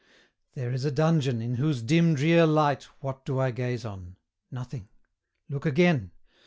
There is a dungeon, in whose dim drear light What do I gaze on? Nothing: Look again!